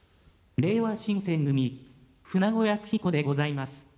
れいわ新選組、舩後靖彦でございます。